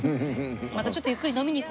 またちょっとゆっくり飲みに行こうね。